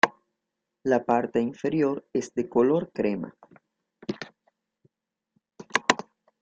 La parte inferior es de color crema.